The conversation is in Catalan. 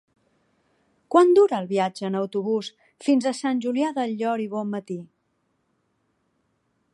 Quant dura el viatge en autobús fins a Sant Julià del Llor i Bonmatí?